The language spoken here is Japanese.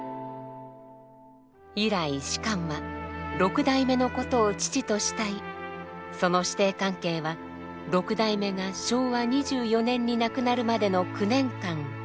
以来芝は六代目のことを父と慕いその師弟関係は六代目が昭和２４年に亡くなるまでの９年間続きました。